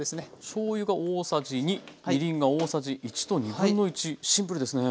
しょうゆが大さじ２みりんが大さじ１と1/2シンプルですね。